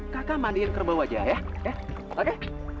kakak mandiin kerbau aja ya oke